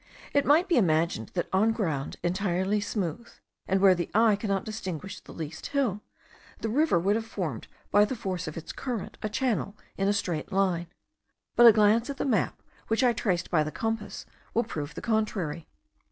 It might be imagined that on ground entirely smooth, and where the eye cannot distinguish the least hill, the river would have formed by the force of its current a channel in a straight line; but a glance at the map, which I traced by the compass, will prove the contrary.